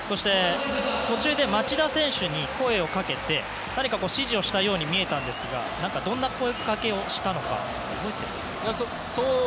途中で町田選手に声をかけて声をかけて、指示をしたように見えたんですがどんな声がけをしたんですか？